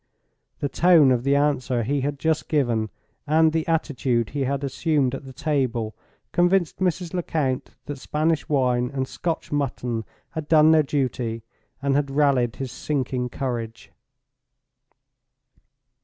The tone of the answer he had just given, and the attitude he assumed at the table, convinced Mrs. Lecount that Spanish wine and Scotch mutton had done their duty, and had rallied his sinking courage.